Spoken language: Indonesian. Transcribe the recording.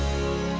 terima kasih pak